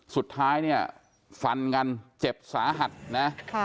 สุดท้ายฝั่นกันเจ็บสาหัสนะ